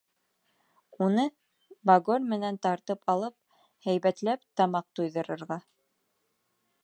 Уны багор менән тартып алып, һәйбәтләп тамаҡ туйҙырырға...